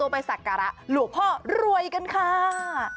ไปสักการะหลวงพ่อรวยกันค่ะ